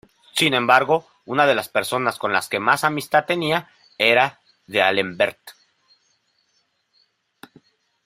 Sin embargo, una de las personas con la que más amistad tenía era D'Alembert.